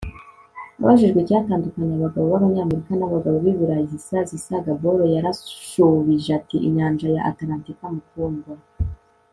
Abajijwe icyatandukanya abagabo babanyamerika nabagabo bi Burayi Zsa Zsa Gabor yarashubije ati Inyanja ya Atalantika mukundwa